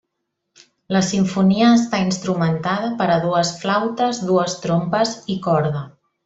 La simfonia està instrumentada per a dues flautes, dues trompes, i corda.